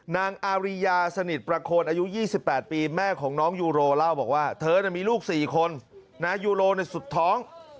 นางอาริยาสนิทประโคนอายุ๒๘ปีแม่ของน้องยูโรเล่าบอกว่าเธอมีลูก๔คนนายยูโรสุดท้อง